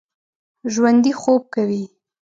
ژوندي خوب کوي